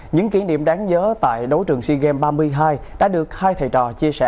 những kỷ niệm đáng nhớ tại đấu trường sea games ba mươi hai đã được hai thầy trò chia sẻ